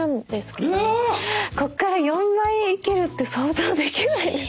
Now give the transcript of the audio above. ここから４倍生きるって想像できないです。